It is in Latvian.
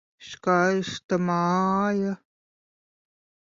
Skaista māja.